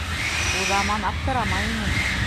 Уҙаман аптырамай ине.